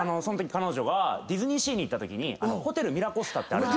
そのとき彼女がディズニーシーに行ったときにホテルミラコスタって。